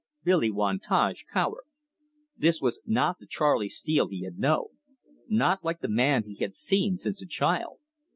Billy Wantage cowered. This was not the Charley Steele he had known, not like the man he had seen since a child.